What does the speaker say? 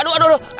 aduh aduh aduh